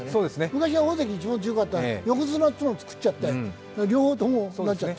昔は大関が一番強かったけど横綱というのをつくっちゃって両方ともになっちゃって。